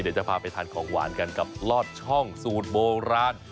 เดี๋ยวจะพาไปทานของหวานกันกับลอดช่องสูตรโบราณ